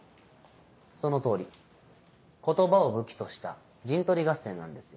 その通り言葉を武器とした陣取り合戦なんですよ。